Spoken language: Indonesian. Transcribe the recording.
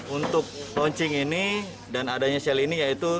untuk launching ini dan adanya sel ini yaitu